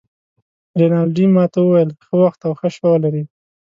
رینالډي ما ته وویل: ښه وخت او ښه شپه ولرې.